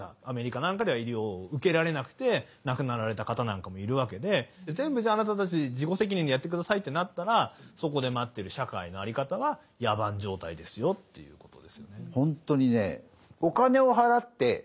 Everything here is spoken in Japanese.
アメリカなんかでは医療を受けられなくて亡くなられた方なんかもいるわけで全部じゃああなたたち自己責任でやって下さいってなったらそこで待ってる社会の在り方は野蛮状態ですよっていうことですね。